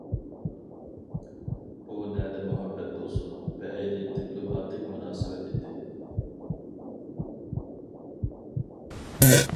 بۇ نەدە مۇھەببەت بولسۇن؟ بەئەينى دىپلوماتىك مۇناسىۋەت ئىدى.